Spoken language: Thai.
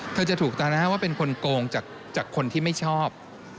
เธอจะถูกตาหน้าว่าเป็นคนโกงจากคนที่ไม่ชอบ